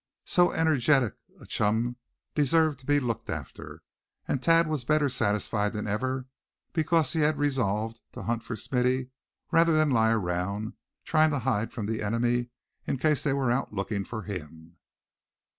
So energetic a chum deserved to be looked after; and Thad was better satisfied than ever because he had resolved to hunt for Smithy, rather than lie around, trying to hide from the enemy in case they were out looking for him.